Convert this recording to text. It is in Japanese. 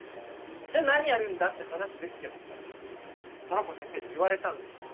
じゃ何やるんだって話ですけどトラコ先生に言われたんです。